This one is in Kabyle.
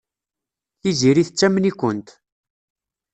Tiziri tettamen-ikent.